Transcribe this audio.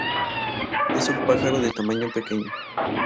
Es un pájaro de tamaño pequeño.